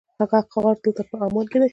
هغه غار دلته په عمان کې دی.